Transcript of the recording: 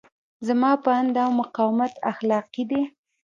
زما په اند دا مقاومت اخلاقي دی.